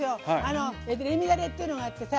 レミだれっていうのがあってさ